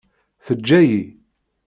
Teǧǧa-yi.